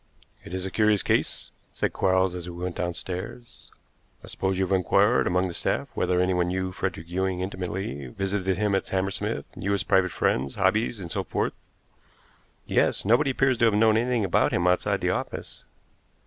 "It's a curious case," said Quarles as we went downstairs. "I suppose you have inquired among the staff whether anyone knew Frederick Ewing intimately, visited him at Hammersmith, knew his private friends, hobbies, and so forth." "Yes. Nobody appears to have known anything about him outside the office."